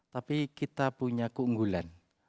tapi kita punya keunggulan